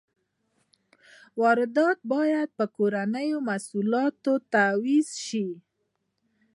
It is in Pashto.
واردات باید په کورنیو محصولاتو تعویض شي.